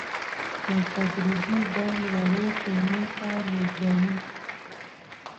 په تدریجي ډول وړو کولمو ته لېږدوي.